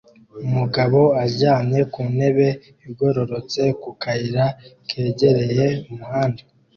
Umugabo aryamye ku ntebe igororotse ku kayira kegereye umuhanda